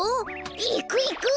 いくいく！